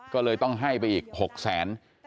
ก็เลยต้องให้ไปอีก๖แสน